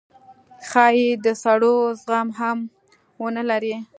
ښايي د سړو زغم هم ونه لرئ